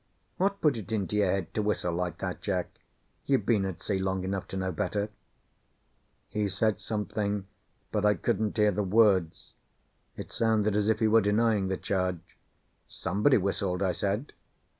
"What put it into your head to whistle like that, Jack? You've been at sea long enough to know better." He said something, but I couldn't hear the words; it sounded as if he were denying the charge. "Somebody whistled," I said.